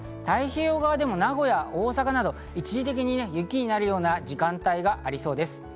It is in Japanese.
太平洋側でも名古屋、大阪など、一時的に雪になる時間帯がありそうです。